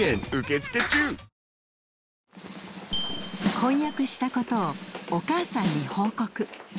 婚約したことをお母さんに報告。